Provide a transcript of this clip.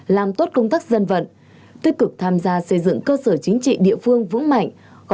làm tốt công tác dân vận tích cực tham gia xây dựng cơ sở chính trị địa phương vững mạnh